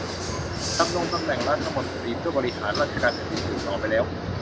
ดำรงตำแหน่งรัฐมนตรีเพื่อบริหารราชการแผ่นดินสืบต่อไปแล้ว